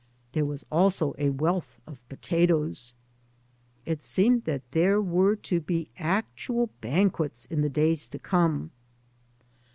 There was also a wealth of potatoes. It seemed that there were to be actual banquets in the days to come.